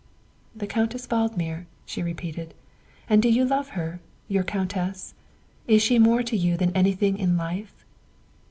'' The Countess Valdmir, '' she repeated ;'' and do you love her your Countess? Is she more to you than anything in life?"